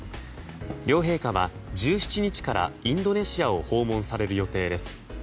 両陛下は１７日からインドネシアを訪問される予定です。